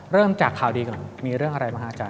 เริ่มจากข่าวดีก่อนมีเรื่องอะไรบ้างฮะอาจาร